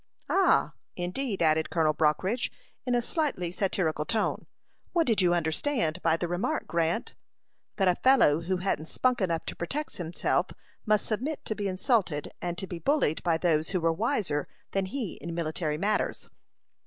"Ah, indeed!" added Colonel Brockridge, in a slightly satirical tone. "What did you understand by the remark, Grant?" "That a fellow who hadn't spunk enough to protect himself must submit to be insulted, and to be bullied by those who were wiser than he in military matters."